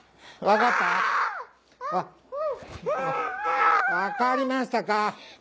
分かりましたか？